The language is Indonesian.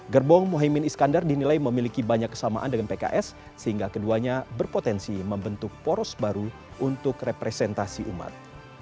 gerbong mohaimin iskandar dinilai memiliki banyak kesamaan dengan pks sehingga keduanya berpotensi membentuk poros baru untuk representasi umat